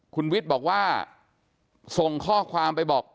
คุณวิทย์บอกว่าส่งข้อความไปบอก